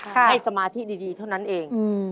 ให้สมาธิดีเท่านั้นเอง